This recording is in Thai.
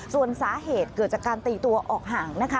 ส่วนสาเหตุเกิดจากการตีตัวออกห่างนะคะ